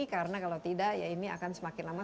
karena kalau tidak ya ini akan semakin lama